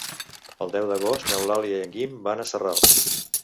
El deu d'agost n'Eulàlia i en Guim van a Sarral.